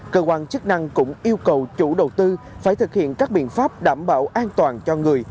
cơ quan chức năng cũng yêu cầu chủ đầu tư phải thực hiện các biện pháp đảm bảo an toàn cho người